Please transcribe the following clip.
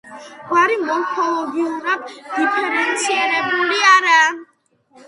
გვარი მორფოლოგიურად დიფერენცირებული არაა.